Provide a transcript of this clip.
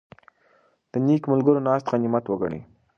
د نېکو ملګرو ناسته غنیمت وګڼئ.